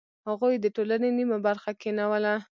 هغوی د ټولنې نیمه برخه کینوله.